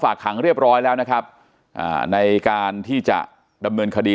ขังเรียบร้อยแล้วนะครับอ่าในการที่จะดำเนินคดี